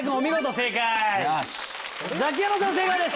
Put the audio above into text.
正解です。